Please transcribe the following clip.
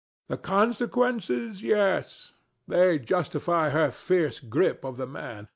The consequences, yes: they justify her fierce grip of the man.